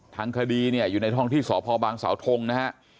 ทางคดีเนี่ยอยู่ในท่องที่สพบางสาวทงนะฮะ